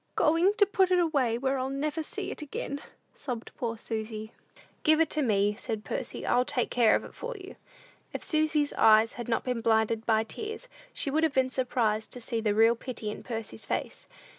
"Going to put it away, where I'll never see it again," sobbed poor Susy. "Give it to me," said Percy: "I'll take care of it for you." If Susy's eyes had not been blinded by tears, she would have been surprised to see the real pity in Percy's face.